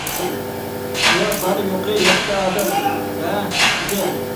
ئۇلار بار-يوقى يەتتە ئادەم ئىدى، ئۇلارنىڭ كىيىم-كېچەكلىرى كۆيگەن.